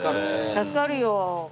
助かるよ。